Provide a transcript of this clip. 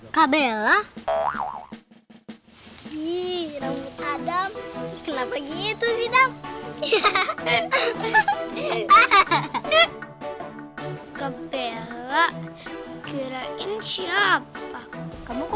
sampai jumpa di video selanjutnya